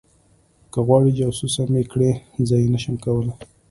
که غواړې جاسوسه مې کړي زه یې نشم کولی